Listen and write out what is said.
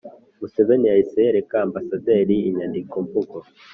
museveni yahise yereka amabasaderi inyandikomvugo